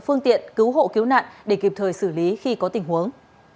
phương tiện cứu hộ cứu nạn để kịp thời xử lý khi có tình huống